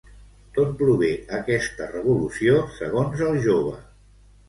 D'on prové aquesta revolució segons el jove?